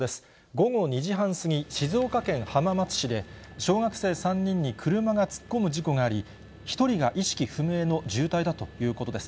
午後２時半過ぎ、静岡県浜松市で、小学生３人に車が突っ込む事故があり、１人が意識不明の重体だということです。